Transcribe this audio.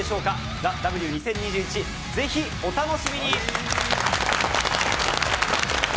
『ＴＨＥＷ２０２１』、ぜひ、お楽しみに。